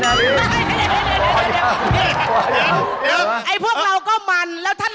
ที่จะเป็นความสุขของชาวบ้าน